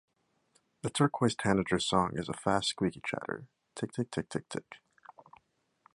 The turquoise tanager's song is a fast squeaky chatter "tic-tic-tic-tic-tic".